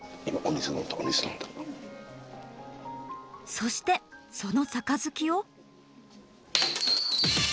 そしてその杯を。